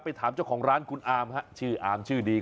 ถามเจ้าของร้านคุณอามฮะชื่ออาร์มชื่อดี